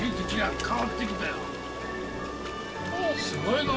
すごいの！